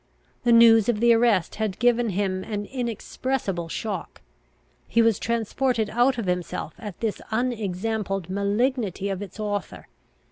The news of the arrest had given him an inexpressible shock; he was transported out of himself at the unexampled malignity of its author.